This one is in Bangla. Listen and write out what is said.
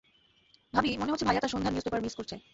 ভাবি, মনে হচ্ছে ভাইয়া তার সন্ধ্যার নিউজপেপার মিস করছে!